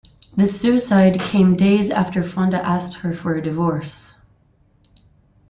This suicide came days after Fonda asked her for a divorce.